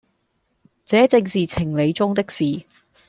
這正是情理中的事，